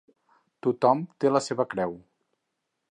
Tothom té la seva creu.